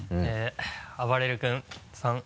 あばれる君さん